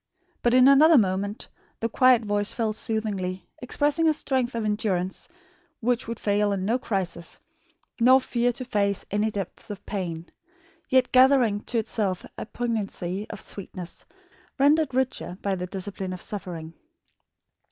But in another moment the quiet voice fell soothingly, expressing a strength of endurance which would fail in no crisis, nor fear to face any depths of pain; yet gathering to itself a poignancy of sweetness, rendered richer by the discipline of suffering.